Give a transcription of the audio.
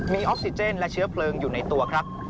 มีออกซิเจนและเชื้อเพลิงอยู่ในตัวครับ